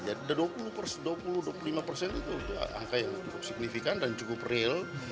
jadi dua puluh dua puluh lima persen itu angka yang cukup signifikan dan cukup real